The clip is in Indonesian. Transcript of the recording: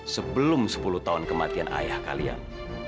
sebelum sepuluh tahun kematian ayah kalian